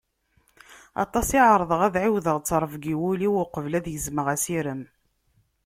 Aṭas i ɛerḍeɣ ad ɛiwdeɣ ttrebga i wul-iw uqbel ad gezmeɣ asirem.